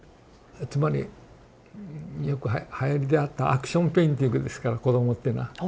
つまりよくはやりであったアクションペインティングですから子どもっていうのは。